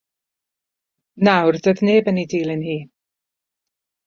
Nawr doedd neb yn ei dilyn hi.